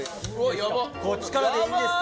横尾：こっちからでいいんですか？